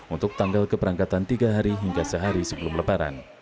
untuk tanggal keberangkatan tiga hari hingga sehari sebelum lebaran